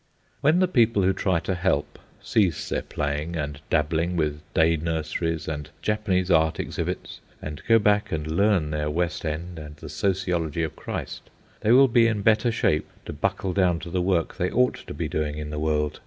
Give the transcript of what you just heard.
When the people who try to help cease their playing and dabbling with day nurseries and Japanese art exhibits and go back and learn their West End and the sociology of Christ, they will be in better shape to buckle down to the work they ought to be doing in the world.